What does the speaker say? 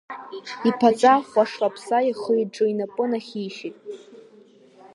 Иԥаҵа хәашлаԥса, ихы-иҿы инапы нахьишьит.